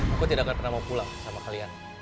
aku tidak akan pernah mau pulang sama kalian